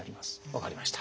分かりました。